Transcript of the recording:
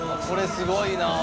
「これすごいな」